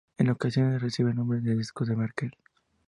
En ocasiones recibe el nombre de discos de Merkel.